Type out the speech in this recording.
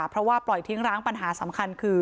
เพราะว่าปล่อยทิ้งร้างปัญหาสำคัญคือ